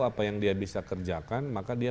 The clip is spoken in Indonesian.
apa yang dia bisa kerjakan maka dia